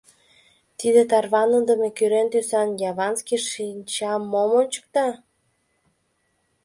Тиде тарваныдыме кӱрен тӱсан яванский шинча мом ончыкта?..